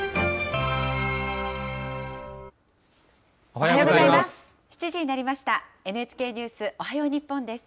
おはようございます。